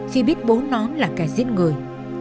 khi biết bố nó là cả giết người